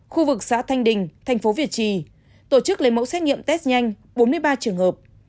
khu vực xã thanh đình thành phố việt trì tổ chức lấy mẫu xét nghiệm test nhanh bốn mươi ba trường hợp